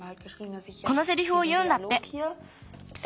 このセリフをいうんだって。